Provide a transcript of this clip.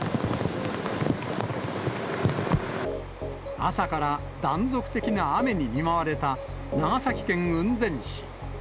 朝から断続的な雨に見舞われた長崎県雲仙市。